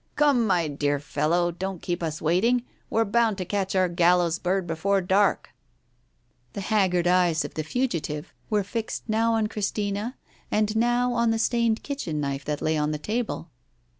"Come, my little fellow, don't keep us waiting. We're bound to catch our gallows bird before dark !" The haggard eyes of the fugitive were fixed now on Christina, and now on the stained kitchen knife that lay on the table.